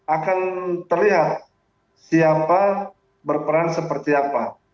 akan terlihat siapa berperan seperti apa